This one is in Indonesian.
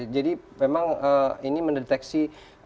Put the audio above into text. jadi memang ini mendeteksi